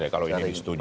kalau ini disetujui